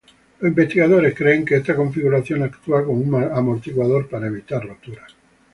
Los investigadores creen que esta configuración actúa como un amortiguador para evitar roturas.